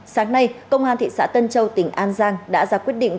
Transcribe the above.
sáng nay công an thị xã tân châu tỉnh an giang đã ra quyết định